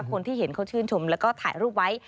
คนที่เห็นเขาชื่นชมแล้วก็ถ่ายรูปไว้